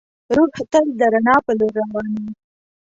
روح تل د رڼا په لور روان وي.